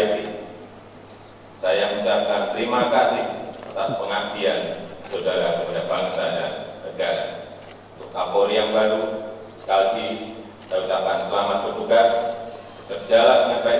dan memenuhi rasa keahlian bagi masyarakat